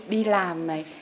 đi làm này